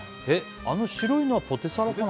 あの白いのはポテサラかな？